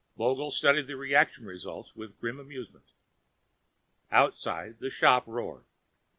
Vogel studied the reaction results with grim amusement. Outside, the shop roared.